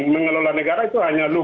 mengelola negara itu hanya